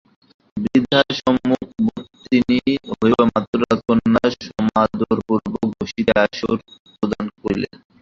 বৃদ্ধা সম্মুখবর্তিনী হইবামাত্র রাজকন্যা সমাদরপূর্বক বসিতে আসন প্রদান করিলেন।